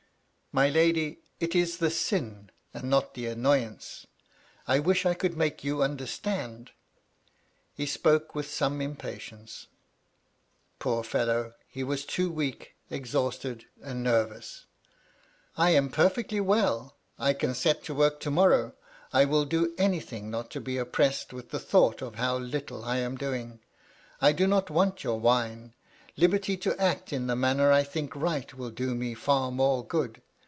'*" My lady, it is the sin, and not the annoyance. I wish I could make you understand." He spoke with MY LADY LUDLOW. 239 some impatience ; poor fellow, he was too weak, ex hausted, and nervous. " I am perfectly well ; I can set to work to morrow; I will do anything not to be oppressed with the thought of how httle I am doing. I do not want your wine. Liberty to act in the manner I think right, will do me far more good.